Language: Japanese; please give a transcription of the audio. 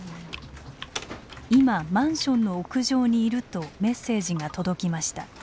今マンションの屋上にいるとメッセージが届きました。